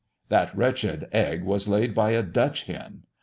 That wretched egg was laid by a Dutch hen.